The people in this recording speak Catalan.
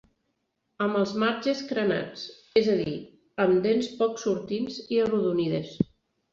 Amb els marges crenats, és a dir, amb dents poc sortints i arrodonides.